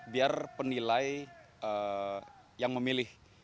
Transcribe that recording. biar penilai yang memilih